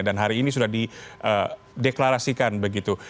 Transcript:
dan hari ini sudah dideklarasikan begitu